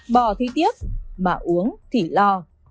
bò thấy tiếc bà uống thì lo